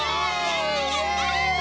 やったやった！